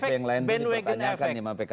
yang lainnya dipertanyakan ya sama pks